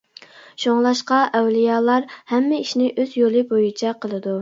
شۇڭلاشقا ئەۋلىيالار ھەممە ئىشنى ئۆز يولى بويىچە قىلىدۇ.